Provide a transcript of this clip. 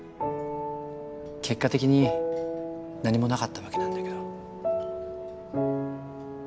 結果的に何もなかったわけなんだけど。